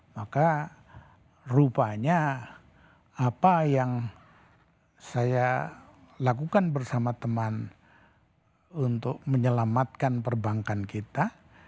maka rupanya apa yang saya lakukan bersama teman untuk menyelamatkan perbankan kita